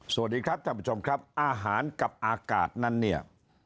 สวัสดีครับท่านผู้ชมครับอาหารกับอากาศนั้นเนี่ย